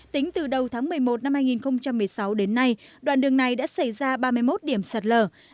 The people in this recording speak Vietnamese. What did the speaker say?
tính từ đầu tháng một mươi một năm hai nghìn một mươi sáu đến nay đoạn đường này đã xảy ra ba mươi một điểm sạt lở